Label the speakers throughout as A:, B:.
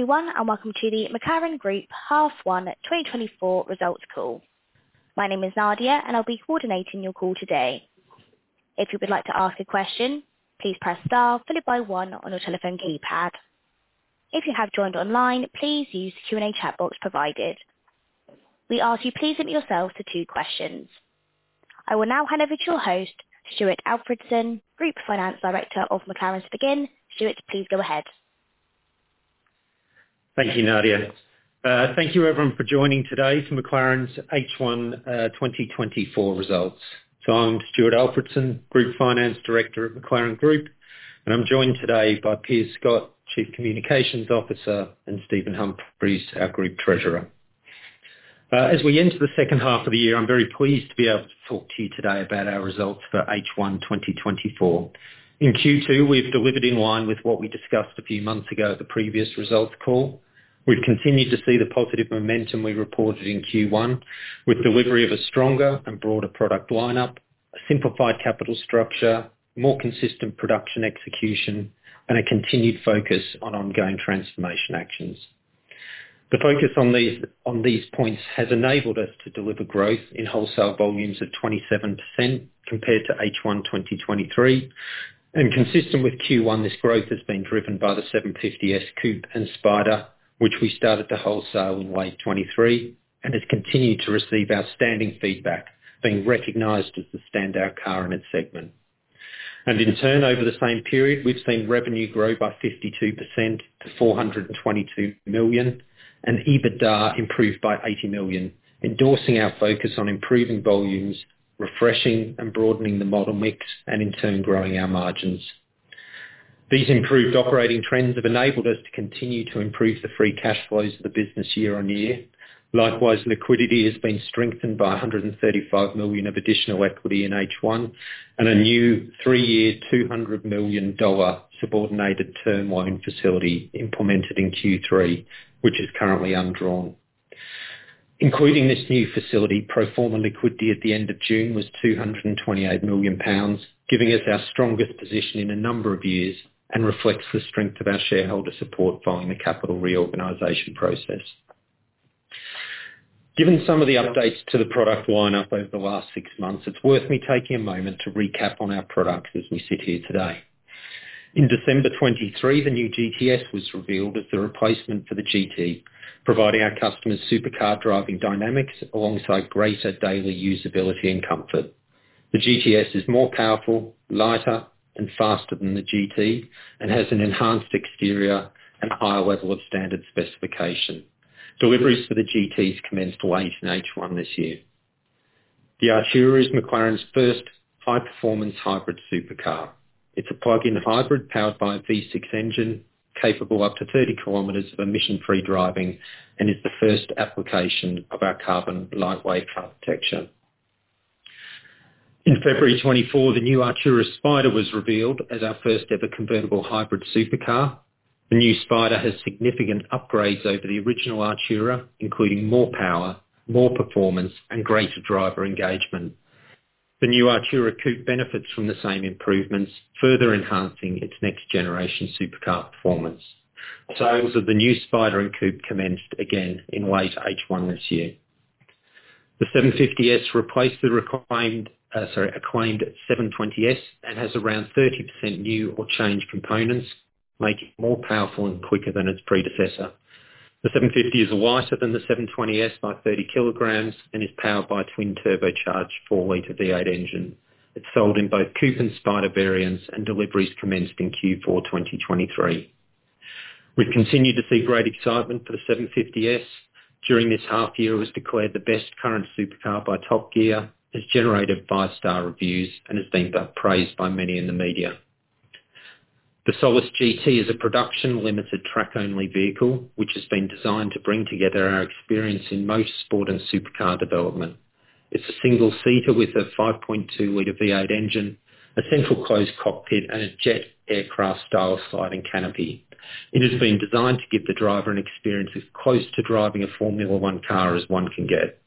A: Everyone, and welcome to the McLaren Group Half 1 2024 results call. My name is Nadia, and I'll be coordinating your call today. If you would like to ask a question, please press star followed by one on your telephone keypad. If you have joined online, please use the Q&A chat box provided. We ask you please limit yourself to two questions. I will now hand over to your host, Stuart Alderson, Group Finance Director of McLaren, to begin. Stuart, please go ahead.
B: Thank you, Nadia. Thank you, everyone, for joining today for McLaren's H1 2024 results. I'm Stuart Alderson, Group Finance Director at McLaren Group, and I'm joined today by Piers Scott, Chief Communications Officer, and Stephen Humphries, our Group Treasurer. As we enter the second half of the year, I'm very pleased to be able to talk to you today about our results for H1 2024. In Q2, we've delivered in line with what we discussed a few months ago at the previous results call. We've continued to see the positive momentum we reported in Q1, with delivery of a stronger and broader product lineup, a simplified capital structure, more consistent production execution, and a continued focus on ongoing transformation actions. The focus on these points has enabled us to deliver growth in wholesale volumes of 27% compared to H1 2023. Consistent with Q1, this growth has been driven by the 750S Coupe and Spider, which we started to wholesale in late 2023, and has continued to receive outstanding feedback, being recognized as the standout car in its segment. In turn, over the same period, we've seen revenue grow by 52% to 422 million, and EBITDA improved by 80 million, endorsing our focus on improving volumes, refreshing and broadening the model mix, and in turn, growing our margins. These improved operating trends have enabled us to continue to improve the free cash flows of the business year on year. Likewise, liquidity has been strengthened by 135 million of additional equity in H1, and a new three-year $200 million subordinated term loan facility implemented in Q3, which is currently undrawn. Including this new facility, pro forma liquidity at the end of June was 228 million pounds, giving us our strongest position in a number of years and reflects the strength of our shareholder support following the capital reorganization process. Given some of the updates to the product lineup over the last six months, it's worth me taking a moment to recap on our products as we sit here today. In December 2023, the new GTS was revealed as the replacement for the GT, providing our customers supercar driving dynamics, alongside greater daily usability and comfort. The GTS is more powerful, lighter, and faster than the GT and has an enhanced exterior and higher level of standard specification. Deliveries for the GTs commenced late in H1 this year. The Artura is McLaren's first high-performance hybrid supercar. It's a plug-in hybrid powered by a V6 engine, capable up to 30 km of emission-free driving and is the first application of our Carbon Lightweight Architecture. In February 2024, the new Artura Spider was revealed as our first-ever convertible hybrid supercar. The new Spider has significant upgrades over the original Artura, including more power, more performance, and greater driver engagement. The new Artura Coupe benefits from the same improvements, further enhancing its next-generation supercar performance. Sales of the new Spider and Coupe commenced again in late H1 this year. The 750S replaced the acclaimed 720S and has around 30% new or changed components, making it more powerful and quicker than its predecessor. The 750 is lighter than the 720S by 30 kg and is powered by a twin-turbocharged four-liter V8 engine. It's sold in both Coupe and Spider variants, and deliveries commenced in Q4 2023. We've continued to see great excitement for the 750S. During this half year, it was declared the best current supercar by Top Gear, has generated five-star reviews, and has been praised by many in the media. The Solus GT is a production-limited, track-only vehicle, which has been designed to bring together our experience in motorsport and supercar development. It's a single-seater with a 5.2-liter V8 engine, a central closed cockpit, and a jet aircraft-style sliding canopy. It has been designed to give the driver an experience as close to driving a Formula One car as one can get.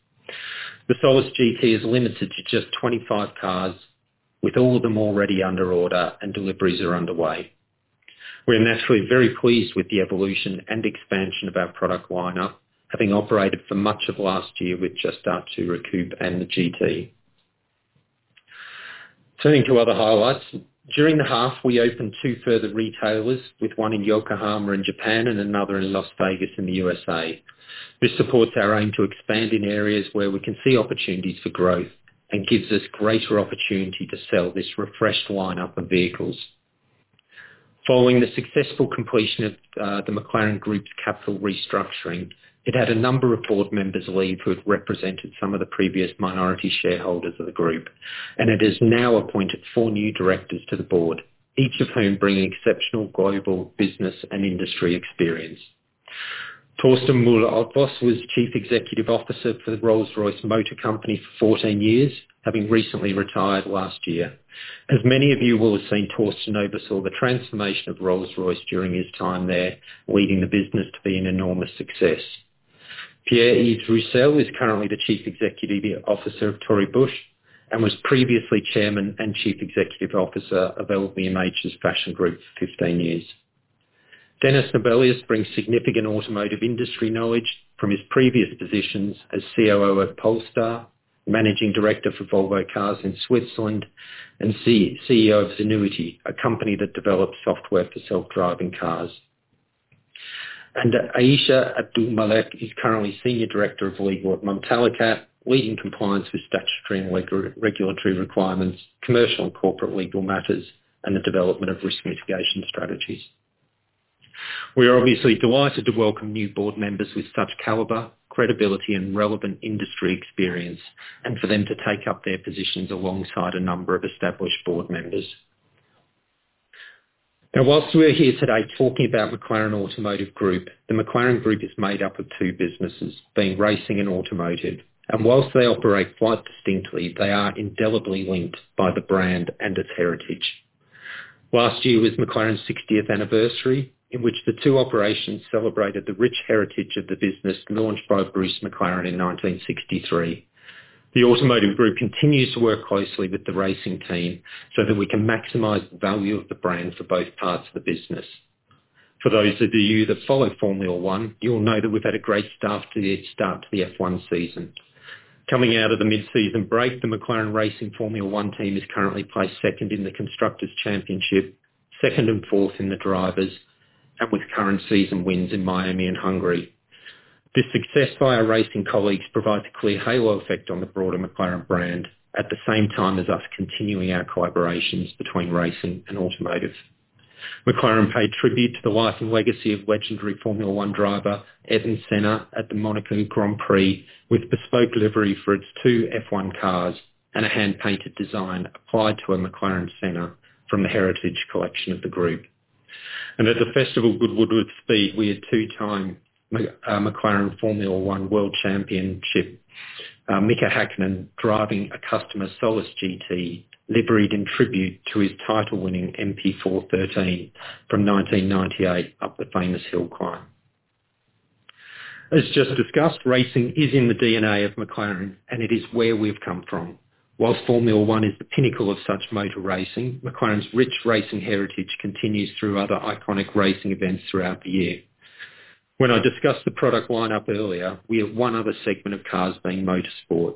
B: The Solus GT is limited to just 25 cars, with all of them already under order and deliveries are underway. We're naturally very pleased with the evolution and expansion of our product lineup, having operated for much of last year with just Artura Coupe and the GT. Turning to other highlights. During the half, we opened two further retailers, with one in Yokohama in Japan and another in Las Vegas in the USA. This supports our aim to expand in areas where we can see opportunities for growth and gives us greater opportunity to sell this refreshed lineup of vehicles. Following the successful completion of the McLaren Group's capital restructuring, it had a number of board members leave, who had represented some of the previous minority shareholders of the group, and it has now appointed four new directors to the board, each of whom bring exceptional global business and industry experience. Torsten Müller-Ötvös was Chief Executive Officer for the Rolls-Royce Motor Cars for fourteen years, having recently retired last year. As many of you will have seen, Torsten oversaw the transformation of Rolls-Royce during his time there, leading the business to be an enormous success. Pierre-Yves Roussel is currently the Chief Executive Officer of Tory Burch, and was previously Chairman and Chief Executive Officer of LVMH's Fashion Group for fifteen years. Dennis Nobelius brings significant automotive industry knowledge from his previous positions as COO of Polestar, Managing Director for Volvo Cars in Switzerland, and Co-CEO of Zenuity, a company that develops software for self-driving cars, and Aysha Abdulmalek is currently Senior Director of Legal at Mumtalakat, leading compliance with statutory and regulatory requirements, commercial and corporate legal matters, and the development of risk mitigation strategies. We are obviously delighted to welcome new board members with such caliber, credibility, and relevant industry experience, and for them to take up their positions alongside a number of established board members. Now, while we are here today talking about McLaren Automotive Group, the McLaren Group is made up of two businesses, being racing and automotive. While they operate quite distinctly, they are indelibly linked by the brand and its heritage. Last year was McLaren's sixtieth anniversary, in which the two operations celebrated the rich heritage of the business, launched by Bruce McLaren in 1963. The automotive group continues to work closely with the racing team so that we can maximize the value of the brand for both parts of the business. For those of you that follow Formula One, you'll know that we've had a great start to the F1 season. Coming out of the mid-season break, the McLaren Racing Formula One team is currently placed second in the Constructors' Championship, second and fourth in the Drivers' Championship, and with current season wins in Miami and Hungary. The success by our racing colleagues provides a clear halo effect on the broader McLaren brand, at the same time as us continuing our collaborations between racing and automotive. McLaren paid tribute to the life and legacy of legendary Formula One driver, Ayrton Senna, at the Monaco Grand Prix, with bespoke delivery for its two F1 cars and a hand-painted design applied to a McLaren Senna from the heritage collection of the group. At the Goodwood Festival of Speed, we had two-time McLaren Formula One World Champion, Mika Häkkinen, driving a customer Solus GT, liveried in tribute to his title-winning MP4-13 from 1998, up the famous Hill Climb. As just discussed, racing is in the DNA of McLaren, and it is where we've come from. While Formula One is the pinnacle of such motor racing, McLaren's rich racing heritage continues through other iconic racing events throughout the year. When I discussed the product lineup earlier, we have one other segment of cars, being motorsport.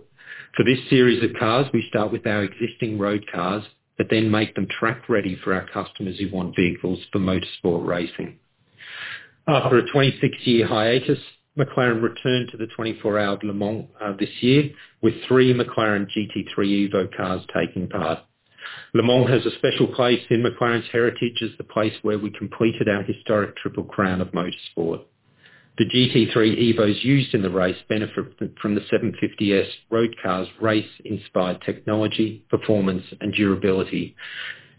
B: For this series of cars, we start with our existing road cars, but then make them track ready for our customers who want vehicles for motorsport racing. After a 26-year hiatus, McLaren returned to the 24-hour Le Mans this year, with three McLaren GT3 EVO cars taking part. Le Mans has a special place in McLaren's heritage as the place where we completed our historic Triple Crown of Motorsport. The GT3 EVO is used in the race benefit from the 750S road cars, race-inspired technology, performance, and durability.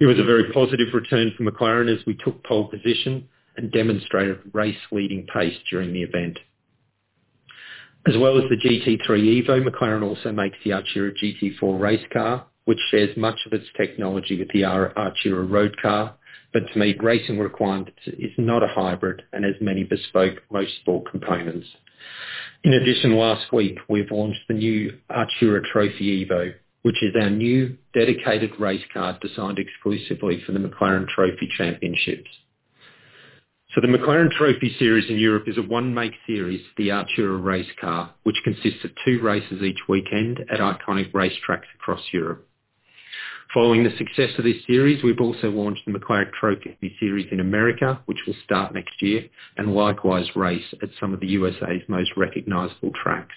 B: It was a very positive return for McLaren as we took pole position and demonstrated race-leading pace during the event. As well as the GT3 EVO, McLaren also makes the Artura GT4 race car, which shares much of its technology with the Artura road car, but to meet racing requirements, is not a hybrid and has many bespoke motorsport components. In addition, last week, we've launched the new Artura Trophy EVO, which is our new dedicated race car, designed exclusively for the McLaren Trophy Championships. So the McLaren Trophy series in Europe is a one-make series, the Artura race car, which consists of two races each weekend at iconic race tracks across Europe. Following the success of this series, we've also launched the McLaren Trophy series in America, which will start next year, and likewise, race at some of the USA's most recognizable tracks.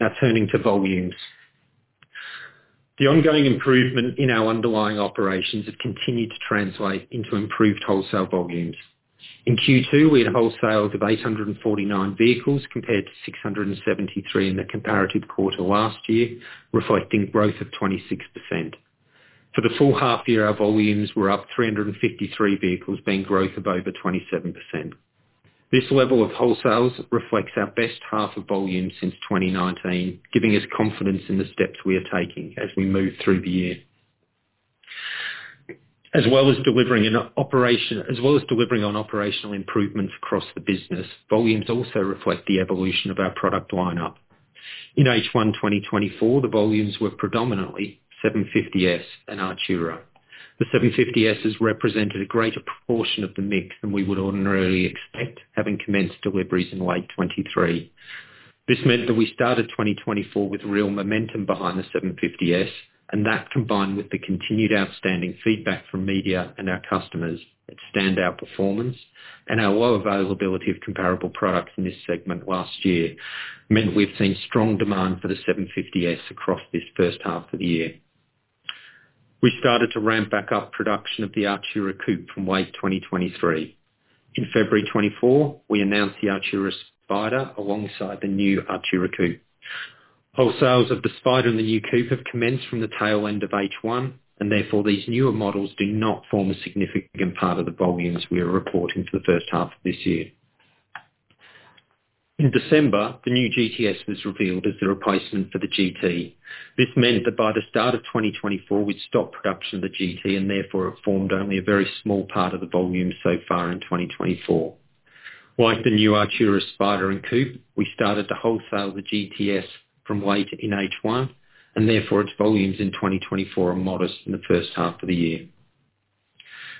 B: Now, turning to volumes. The ongoing improvement in our underlying operations have continued to translate into improved wholesale volumes. In Q2, we had wholesales of 849 vehicles, compared to 673 in the comparative quarter last year, reflecting growth of 26%. For the full half year, our volumes were up 353 vehicles, being growth of over 27%. This level of wholesales reflects our best half of volume since 2019, giving us confidence in the steps we are taking as we move through the year. As well as delivering on operational improvements across the business, volumes also reflect the evolution of our product lineup. In H1 2024, the volumes were predominantly 750S and Artura. The 750S has represented a greater proportion of the mix than we would ordinarily expect, having commenced deliveries in late 2023. This meant that we started 2024 with real momentum behind the 750S, and that, combined with the continued outstanding feedback from media and our customers, its standout performance, and our low availability of comparable products in this segment last year, meant we've seen strong demand for the 750S across this first half of the year. We started to ramp back up production of the Artura Coupe from late 2023. In February 2024, we announced the Artura Spider, alongside the new Artura Coupe. Wholesales of the Spider and the new Coupe have commenced from the tail end of H1, and therefore, these newer models do not form a significant part of the volumes we are reporting for the first half of this year. In December, the new GTS was revealed as the replacement for the GT. This meant that by the start of 2024, we'd stopped production of the GT, and therefore, it formed only a very small part of the volume so far in 2024. Like the new Artura Spider and Artura Coupe, we started to wholesale the GTS from late in H1, and therefore its volumes in 2024 are modest in the first half of the year.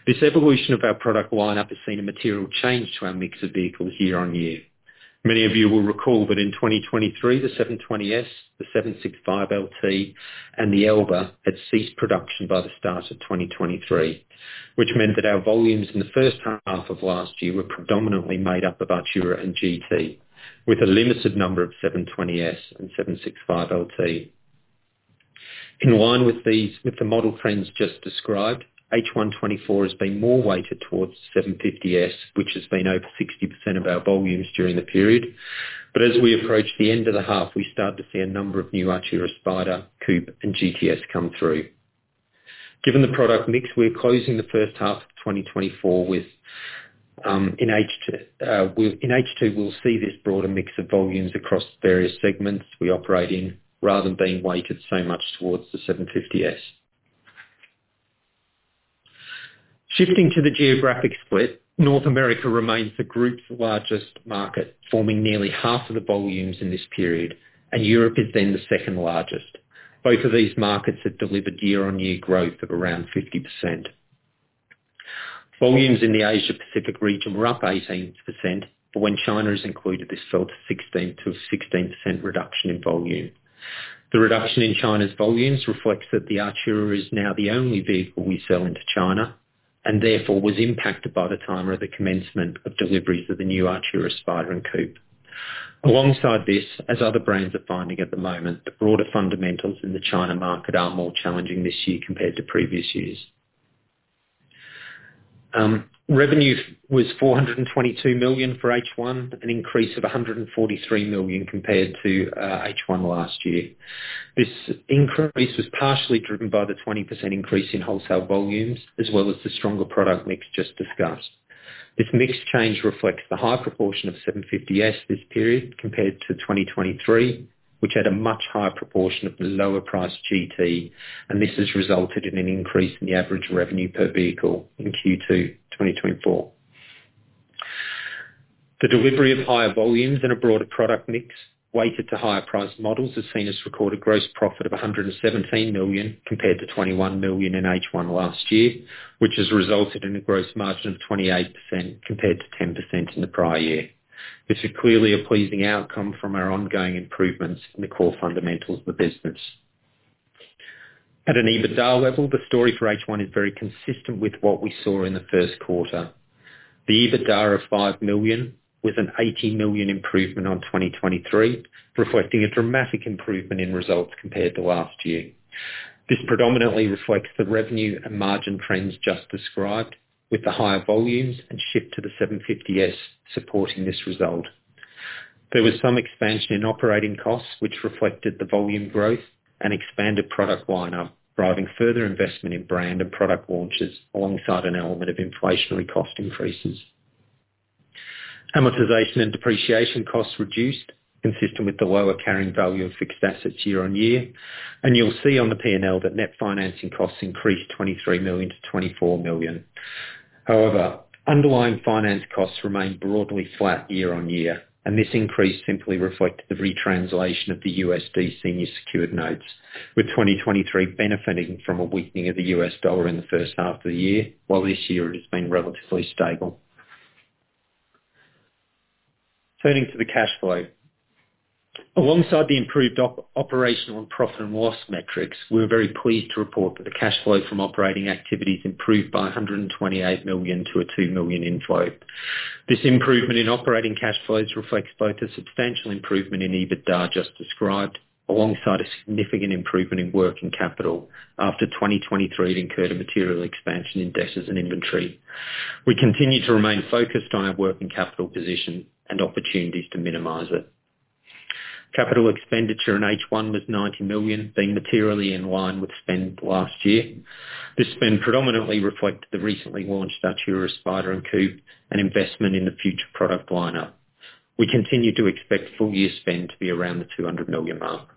B: This evolution of our product lineup has seen a material change to our mix of vehicles year on year. Many of you will recall that in 2023, the 720S, the 765LT, and the Elva had ceased production by the start of 2023, which meant that our volumes in the first half of last year were predominantly made up of Artura and GT, with a limited number of 720S and 765LT. In line with these, with the model trends just described, H1 2024 has been more weighted towards 750S, which has been over 60% of our volumes during the period. But as we approach the end of the half, we start to see a number of new Artura Spider, Coupe, and GTS come through. Given the product mix, we're closing the first half of 2024 with, in H2, we'll see this broader mix of volumes across various segments we operate in, rather than being weighted so much towards the 750S. Shifting to the geographic split, North America remains the group's largest market, forming nearly half of the volumes in this period, and Europe is then the second largest. Both of these markets have delivered year-on-year growth of around 50%. Volumes in the Asia Pacific region were up 18%, but when China is included, this fell to 16% reduction in volume. The reduction in China's volumes reflects that the Artura is now the only vehicle we sell into China, and therefore was impacted by the timing of the commencement of deliveries of the new Artura Spider and Coupe. Alongside this, as other brands are finding at the moment, the broader fundamentals in the China market are more challenging this year compared to previous years. Revenue was 422 million for H1, an increase of 143 million compared to H1 last year. This increase was partially driven by the 20% increase in wholesale volumes, as well as the stronger product mix just discussed. This mix change reflects the high proportion of 750S this period compared to 2023, which had a much higher proportion of the lower price GT, and this has resulted in an increase in the average revenue per vehicle in Q2 2024. The delivery of higher volumes and a broader product mix, weighted to higher priced models, has seen us record a gross profit of 117 million, compared to 21 million in H1 last year, which has resulted in a gross margin of 28%, compared to 10% in the prior year. This is clearly a pleasing outcome from our ongoing improvements in the core fundamentals of the business. At an EBITDA level, the story for H1 is very consistent with what we saw in the first quarter. The EBITDA of 5 million, with an 80 million improvement on 2023, reflecting a dramatic improvement in results compared to last year. This predominantly reflects the revenue and margin trends just described, with the higher volumes and shift to the 750S supporting this result. There was some expansion in operating costs, which reflected the volume growth and expanded product lineup, driving further investment in brand and product launches, alongside an element of inflationary cost increases. Amortization and depreciation costs reduced, consistent with the lower carrying value of fixed assets year on year, and you'll see on the P&L that net financing costs increased 23 million to 24 million. However, underlying finance costs remained broadly flat year on year, and this increase simply reflected the retranslation of the USD Senior Secured Notes, with 2023 benefiting from a weakening of the U.S. dollar in the first half of the year, while this year it has been relatively stable. Turning to the cash flow. Alongside the improved operational and profit and loss metrics, we're very pleased to report that the cash flow from operating activities improved by 128 million to a 2 million inflow. This improvement in operating cash flows reflects both a substantial improvement in EBITDA just described, alongside a significant improvement in working capital after 2023 had incurred a material expansion in debtors and inventory. We continue to remain focused on our working capital position and opportunities to minimize it. Capital expenditure in H1 was 90 million, being materially in line with spend last year. This spend predominantly reflected the recently launched Artura, Spider, and Coupe, an investment in the future product lineup. We continue to expect full year spend to be around the 200 million mark.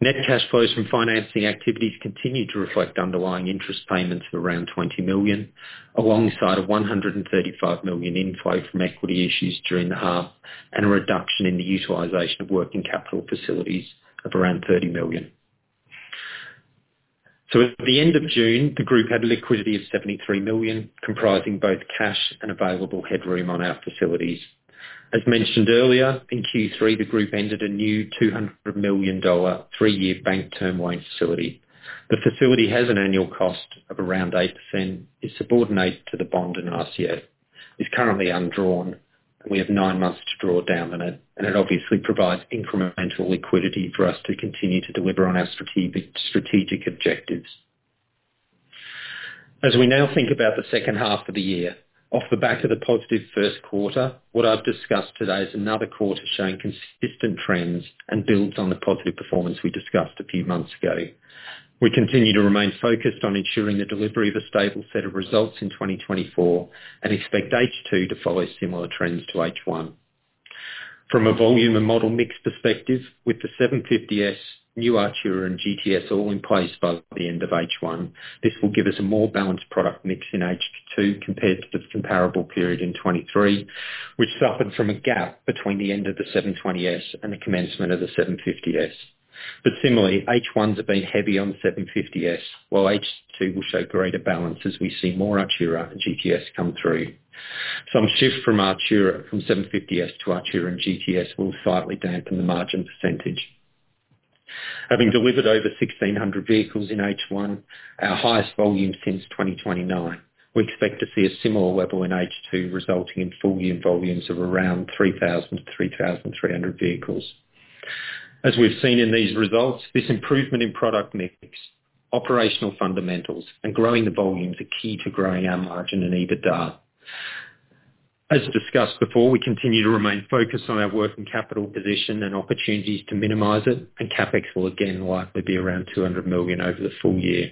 B: Net cash flows from financing activities continue to reflect underlying interest payments of around 20 million, alongside a 135 million inflow from equity issues during the half, and a reduction in the utilization of working capital facilities of around 30 million. So at the end of June, the group had liquidity of 73 million, comprising both cash and available headroom on our facilities. As mentioned earlier, in Q3, the group entered a new $200 million three-year bank term loan facility. The facility has an annual cost of around 8%, is subordinate to the bond and RCF, is currently undrawn, and we have nine months to draw down on it, and it obviously provides incremental liquidity for us to continue to deliver on our strategic objectives. As we now think about the second half of the year, off the back of the positive first quarter, what I've discussed today is another quarter showing consistent trends and builds on the positive performance we discussed a few months ago. We continue to remain focused on ensuring the delivery of a stable set of results in 2024, and expect H2 to follow similar trends to H1. From a volume and model mix perspective, with the 750S, new Artura and GTS all in place by the end of H1, this will give us a more balanced product mix in H2 compared to the comparable period in 2023, which suffered from a gap between the end of the 720S and the commencement of the 750S. But similarly, H1s have been heavy on 750S, while H2 will show greater balance as we see more Artura and GTS come through. Some shift from 750S to Artura and GTS will slightly dampen the margin percentage. Having delivered over 1,600 vehicles in H1, our highest volume since twenty nineteen, we expect to see a similar level in H2, resulting in full year volumes of around 3,000-3,300 vehicles. As we've seen in these results, this improvement in product mix, operational fundamentals and growing the volumes are key to growing our margin and EBITDA. As discussed before, we continue to remain focused on our working capital position and opportunities to minimize it, and CapEx will again likely be around 200 million over the full year.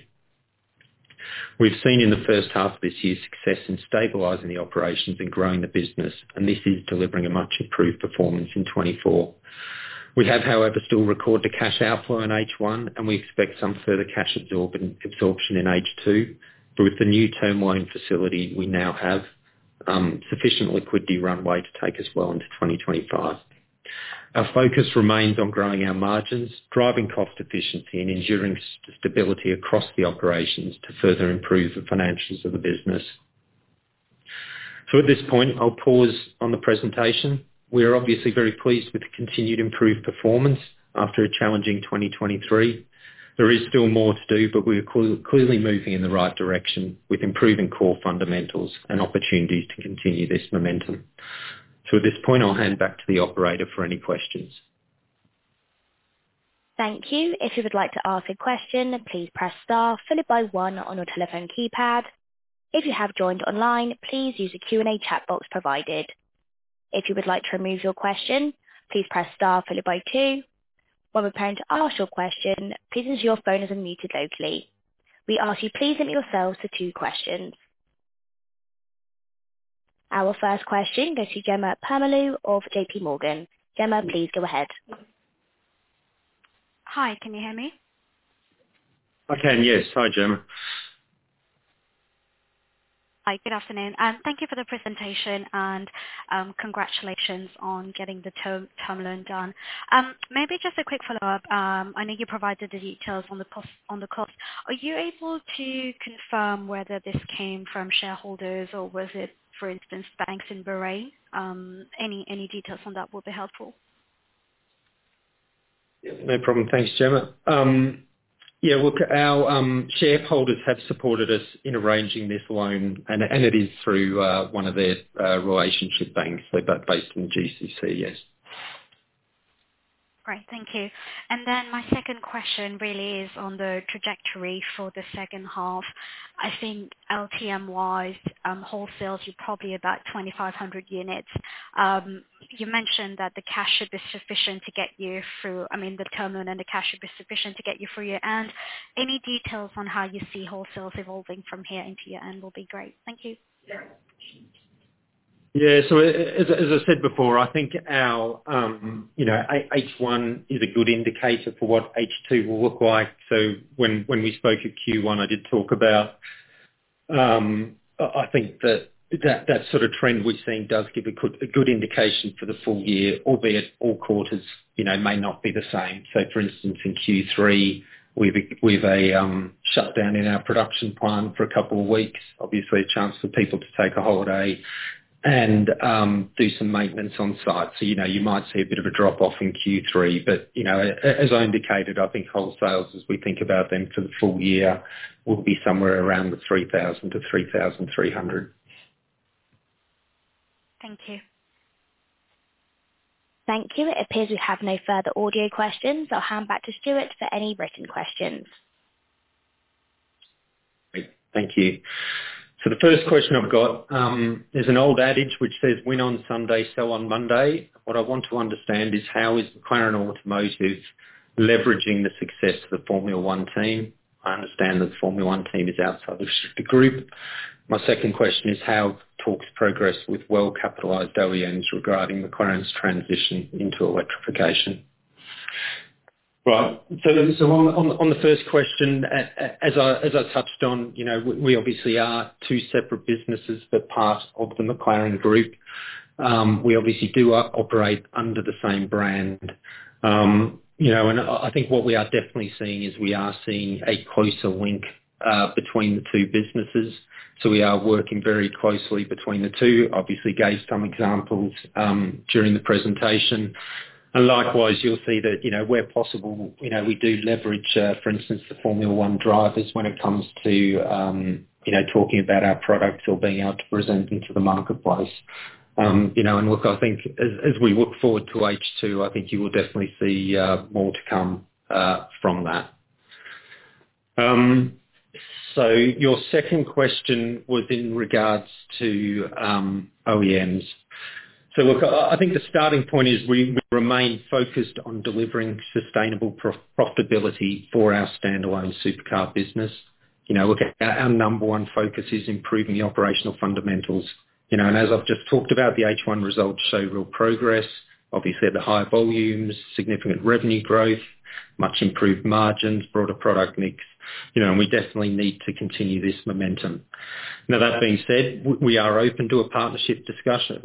B: We've seen in the first half of this year, success in stabilizing the operations and growing the business, and this is delivering a much improved performance in twenty-four. We have, however, still recorded the cash outflow in H1, and we expect some further cash absorption in H2. With the new term loan facility, we now have sufficient liquidity runway to take us well into 2025. Our focus remains on growing our margins, driving cost efficiency and ensuring stability across the operations to further improve the financials of the business. At this point, I'll pause on the presentation. We are obviously very pleased with the continued improved performance after a challenging 2023. There is still more to do, but we are clearly moving in the right direction, with improving core fundamentals and opportunities to continue this momentum. At this point, I'll hand back to the operator for any questions.
A: Thank you. If you would like to ask a question, please press star followed by one on your telephone keypad. If you have joined online, please use the Q&A chat box provided. If you would like to remove your question, please press star followed by two. While preparing to ask your question, please ensure your phone is unmuted locally. We ask you please limit yourselves to two questions. Our first question goes to Jemma Permalloo of JPMorgan. Gemma, please go ahead.
C: Hi, can you hear me?
B: I can, yes. Hi, Jemma.
C: Hi, good afternoon, and thank you for the presentation, and, congratulations on getting the term loan done. Maybe just a quick follow-up. I know you provided the details on the cost. Are you able to confirm whether this came from shareholders or was it, for instance, banks in Bahrain? Any details on that would be helpful.
B: Yeah, no problem. Thanks, Jemma. Yeah, look, our shareholders have supported us in arranging this loan, and it is through one of their relationship banks, so but based in GCC, yes.
C: Great, thank you. And then my second question really is on the trajectory for the second half. I think LTM-wise, wholesales are probably about 2,500 units. You mentioned that the cash should be sufficient to get you through, I mean, the term loan and the cash should be sufficient to get you through year-end. Any details on how you see wholesales evolving from here into year-end will be great. Thank you.
B: Yeah, so as I said before, I think our you know H1 is a good indicator for what H2 will look like. So when we spoke at Q1, I did talk about. I think that sort of trend we've seen does give a good indication for the full year, albeit all quarters you know may not be the same. So for instance, in Q3, we've a shutdown in our production plan for a couple of weeks. Obviously, a chance for people to take a holiday and do some maintenance on site. So, you know, you might see a bit of a drop-off in Q3, but, you know, as I indicated, I think wholesales, as we think about them for the full year, will be somewhere around 3,000-3,300.
C: Thank you.
A: Thank you. It appears we have no further audio questions. I'll hand back to Stuart for any written questions.
B: Great, thank you. So the first question I've got, there's an old adage which says: "Win on Sunday, sell on Monday." What I want to understand is, how is McLaren Automotive leveraging the success of the Formula One team? I understand that the Formula One team is outside of the group. My second question is, how talks progress with well-capitalized OEMs regarding McLaren's transition into electrification? Right. So on the first question, as I touched on, you know, we obviously are two separate businesses, but part of the McLaren Group. We obviously operate under the same brand. You know, and I think what we are definitely seeing is, we are seeing a closer link between the two businesses, so we are working very closely between the two. Obviously, gave some examples, during the presentation, and likewise, you'll see that, you know, where possible, you know, we do leverage, for instance, the Formula One drivers, when it comes to, you know, talking about our products or being able to present into the marketplace. You know, and look, I think as we look forward to H2, I think you will definitely see, more to come, from that. So your second question was in regards to, OEMs. So look, I think the starting point is we remain focused on delivering sustainable profitability for our standalone supercar business. You know, look, our number one focus is improving the operational fundamentals. You know, and as I've just talked about, the H1 results show real progress. Obviously, had the high volumes, significant revenue growth, much improved margins, broader product mix, you know, and we definitely need to continue this momentum. Now, that being said, we are open to partnership discussions.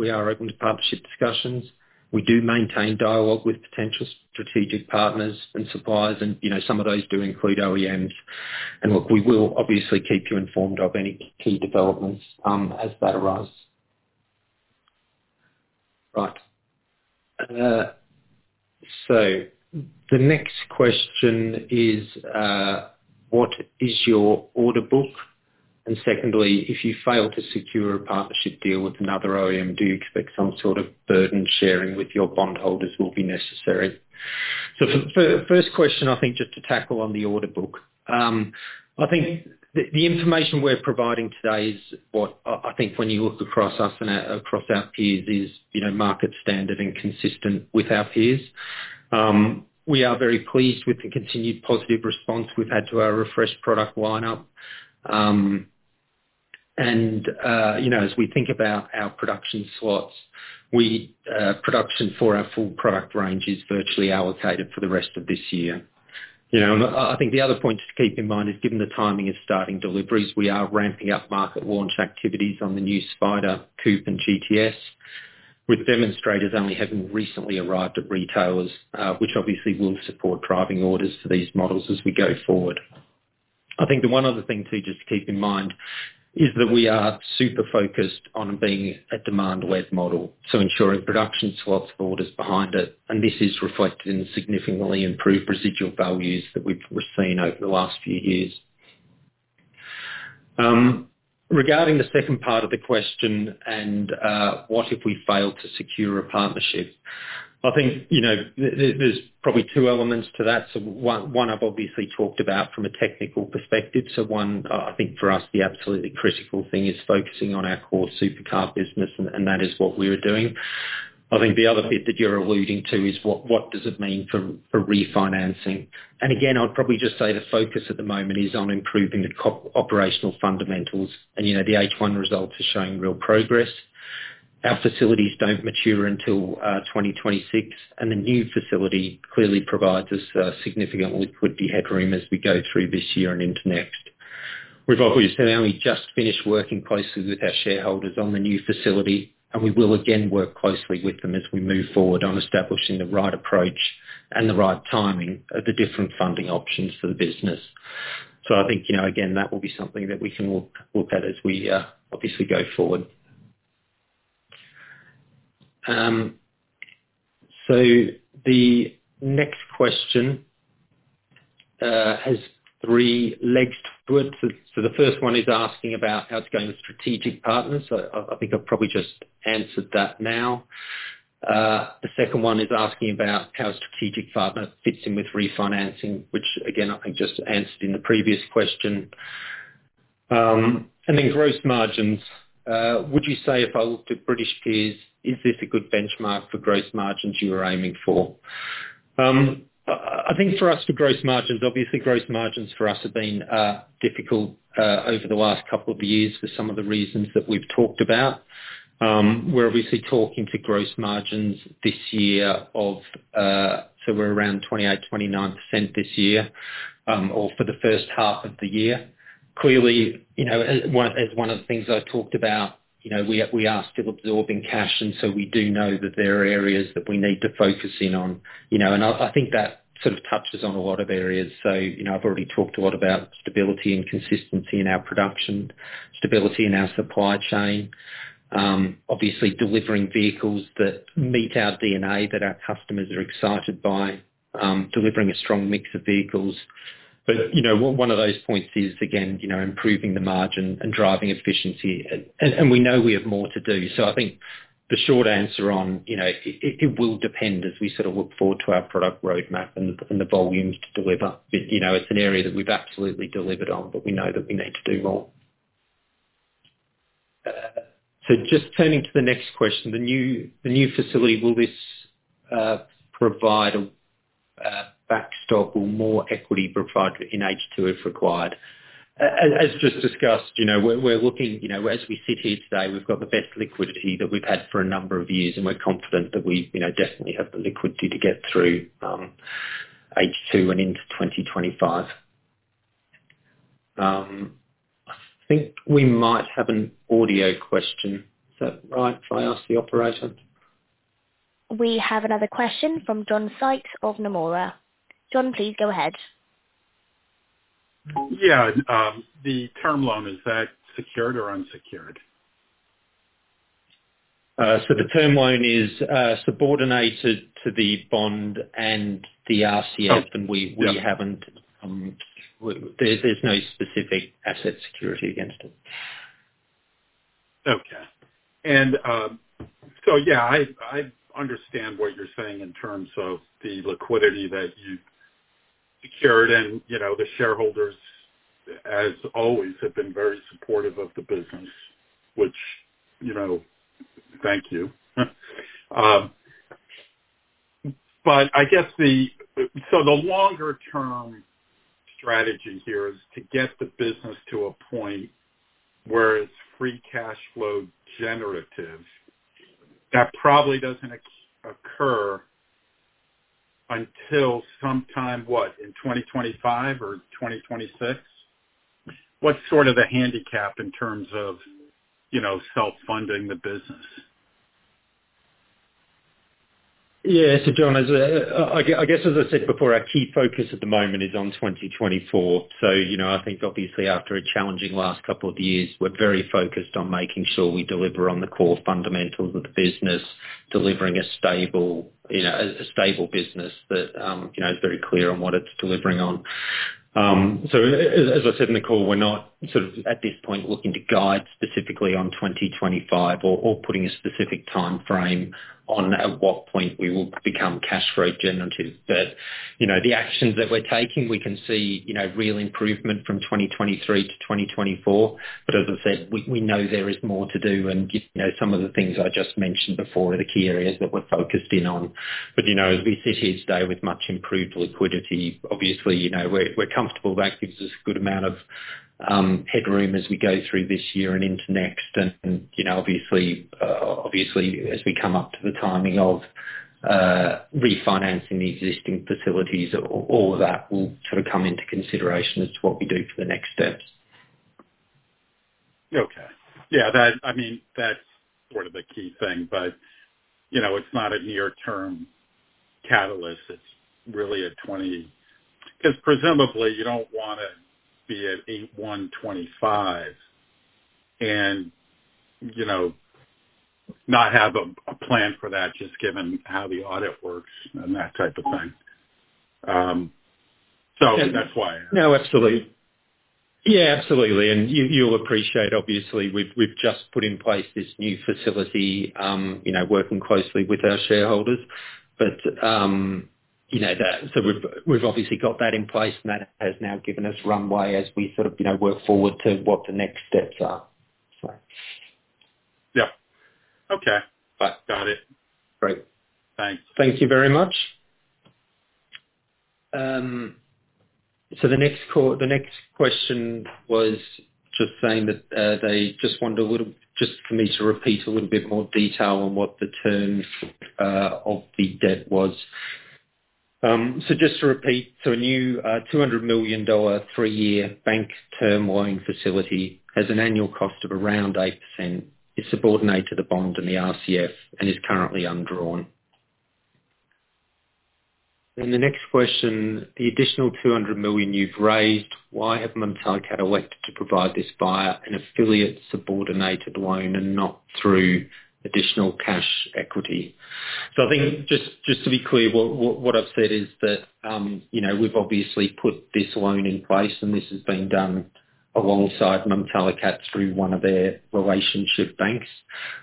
B: We do maintain dialogue with potential strategic partners and suppliers, and, you know, some of those do include OEMs. And look, we will obviously keep you informed of any key developments, as that arrives. Right. So the next question is, what is your order book? And secondly, if you fail to secure a partnership deal with another OEM, do you expect some sort of burden sharing with your bondholders will be necessary? So first question, I think just to tackle on the order book. I think the information we're providing today is what I think when you look across us and across our peers is, you know, market standard and consistent with our peers. We are very pleased with the continued positive response we've had to our refreshed product lineup. You know, as we think about our production slots, production for our full product range is virtually allocated for the rest of this year. You know, and I think the other point to keep in mind is, given the timing of starting deliveries, we are ramping up market launch activities on the new Spider, Coupe, and GTS, with demonstrators only having recently arrived at retailers, which obviously will support driving orders for these models as we go forward. I think the one other thing, too, just to keep in mind, is that we are super focused on being a demand-led model, so ensuring production slots orders behind it, and this is reflected in significantly improved residual values that we've seen over the last few years. Regarding the second part of the question, and what if we fail to secure a partnership? I think, you know, there's probably two elements to that. So one I've obviously talked about from a technical perspective. So, I think for us, the absolutely critical thing is focusing on our core supercar business, and that is what we are doing. I think the other bit that you're alluding to is what does it mean for refinancing? Again, I'd probably just say the focus at the moment is on improving the operational fundamentals, and, you know, the H1 results are showing real progress. Our facilities don't mature until 2026, and the new facility clearly provides us significant liquidity headroom as we go through this year and into next. We've obviously only just finished working closely with our shareholders on the new facility, and we will again work closely with them as we move forward on establishing the right approach and the right timing of the different funding options for the business. I think, you know, again, that will be something that we can look at as we obviously go forward. The next question has three legs to it. The first one is asking about how it's going with strategic partners. So I think I've probably just answered that now. The second one is asking about how a strategic partner fits in with refinancing, which again, I think just answered in the previous question. And then gross margins, would you say if I looked at British peers, is this a good benchmark for gross margins you were aiming for? I think for us, the gross margins, obviously gross margins for us have been difficult over the last couple of years for some of the reasons that we've talked about. We're obviously talking to gross margins this year of... So we're around 28%-29% this year, or for the first half of the year. Clearly, you know, as one of the things I talked about, you know, we are still absorbing cash, and so we do know that there are areas that we need to focus in on. You know, and I think that sort of touches on a lot of areas. So, you know, I've already talked a lot about stability and consistency in our production, stability in our supply chain, obviously delivering vehicles that meet our DNA, that our customers are excited by, delivering a strong mix of vehicles. But, you know, one of those points is, again, you know, improving the margin and driving efficiency, and we know we have more to do. So I think the short answer on, you know, it will depend as we sort of look forward to our product roadmap and the volumes to deliver. But, you know, it's an area that we've absolutely delivered on, but we know that we need to do more. So just turning to the next question, the new facility, will this provide a backstop or more equity provided in H2 if required? As just discussed, you know, we're looking, you know, as we sit here today, we've got the best liquidity that we've had for a number of years, and we're confident that we, you know, definitely have the liquidity to get through H2 and into twenty twenty-five. I think we might have an audio question. Is that right if I ask the operator?
A: We have another question from John Sykes of Nomura. John, please go ahead.
D: Yeah, the term loan, is that secured or unsecured?
B: So the term loan is subordinated to the bond and the RCF.
D: Oh, yep.
B: We haven't. There's no specific asset security against it.
D: Okay. And so yeah, I understand what you're saying in terms of the liquidity that you've secured, and you know, the shareholders, as always, have been very supportive of the business, which you know, thank you.... But I guess so the longer-term strategy here is to get the business to a point where it's free cash flow generative. That probably doesn't occur until sometime, what, in 2025 or 2026? What's sort of the handicap in terms of, you know, self-funding the business?
B: Yeah. So John, as I guess, as I said before, our key focus at the moment is on 2024. So, you know, I think obviously after a challenging last couple of years, we're very focused on making sure we deliver on the core fundamentals of the business, delivering a stable, you know, a stable business that, you know, is very clear on what it's delivering on. So as I said in the call, we're not sort of, at this point, looking to guide specifically on 2025 or, or putting a specific timeframe on at what point we will become cash flow generative. But, you know, the actions that we're taking, we can see, you know, real improvement from 2023-2024. But as I said, we know there is more to do, and you know, some of the things I just mentioned before are the key areas that we're focused in on. But you know, as we sit here today with much improved liquidity, obviously you know, we're comfortable that gives us a good amount of headroom as we go through this year and into next. And you know, obviously, as we come up to the timing of refinancing the existing facilities, all of that will sort of come into consideration as to what we do for the next steps.
D: Okay. Yeah, that... I mean, that's sort of the key thing, but, you know, it's not a near-term catalyst. It's really a twenty-- 'cause presumably you don't wanna be at H1 2025 and, you know, not have a plan for that, just given how the audit works and that type of thing. So that's why.
B: No, absolutely. Yeah, absolutely. And you'll appreciate, obviously, we've just put in place this new facility, you know, working closely with our shareholders. But, you know, that, so we've obviously got that in place, and that has now given us runway as we sort of, you know, work forward to what the next steps are. So.
D: Yeah. Okay, got it.
B: Great.
D: Thanks.
B: Thank you very much. So the next question was just saying that, they just wondered a little, just for me to repeat a little bit more detail on what the terms of the debt was. So just to repeat, so a new $200 million, three-year bank term loan facility has an annual cost of around 8%. It's subordinated to a bond in the RCF and is currently undrawn. Then the next question, the additional $200 million you've raised, why have Mumtalakat elected to provide this via an affiliate subordinated loan and not through additional cash equity? So I think just to be clear, what I've said is that, you know, we've obviously put this loan in place, and this has been done alongside Mumtalakat, through one of their relationship banks.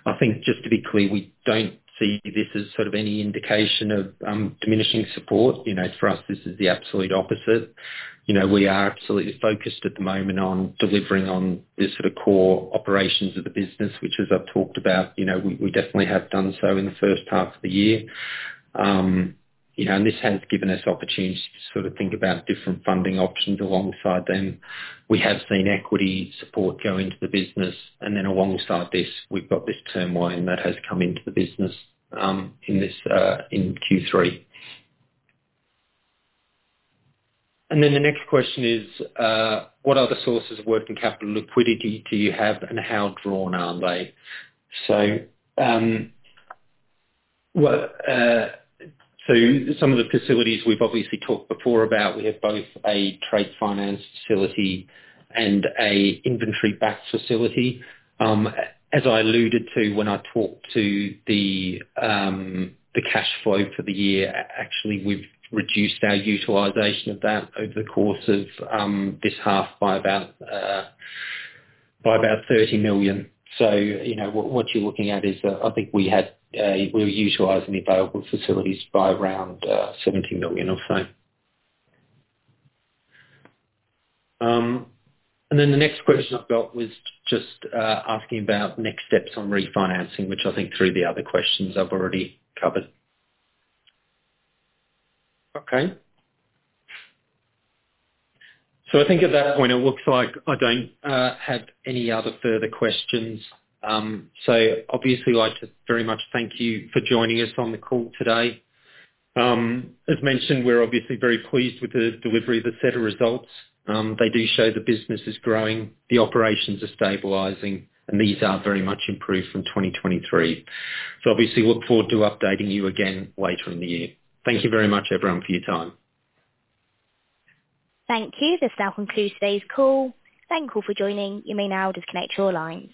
B: I think, just to be clear, we don't see this as sort of any indication of diminishing support. You know, for us, this is the absolute opposite. You know, we are absolutely focused at the moment on delivering on the sort of core operations of the business, which, as I've talked about, you know, we definitely have done so in the first half of the year. You know, and this has given us opportunities to sort of think about different funding options alongside them. We have seen equity support go into the business, and then alongside this, we've got this term loan that has come into the business in this in Q3. And then the next question is, what other sources of working capital liquidity do you have, and how drawn are they? So, well, some of the facilities we've obviously talked about before, we have both a trade finance facility and an inventory-backed facility. As I alluded to when I talked about the cash flow for the year, actually, we've reduced our utilization of that over the course of this half by about 30 million. So, you know, what you're looking at is, I think we were utilizing the available facilities by around 17 million or so. And then the next question I've got was just asking about next steps on refinancing, which I think through the other questions I've already covered. Okay. So I think at that point, it looks like I don't have any other further questions. So obviously we'd like to very much thank you for joining us on the call today. As mentioned, we're obviously very pleased with the delivery of the set of results. They do show the business is growing, the operations are stabilizing, and these are very much improved from 2023. So obviously look forward to updating you again later in the year. Thank you very much, everyone, for your time.
A: Thank you. This now concludes today's call. Thank you for joining. You may now disconnect your lines.